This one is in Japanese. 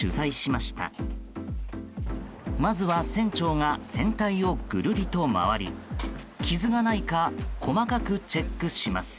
まずは船長が船体をぐるりと回り傷がないか細かくチェックします。